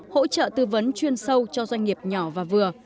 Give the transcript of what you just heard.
hỗ trợ tư vấn chuyên sâu cho doanh nghiệp nhỏ và vừa